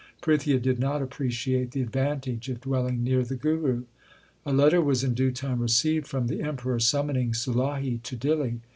Prithia did not appreciate the advantage of dwelling near the Guru. A letter was in due time received from the Em peror summoning Sulahi to Dihli.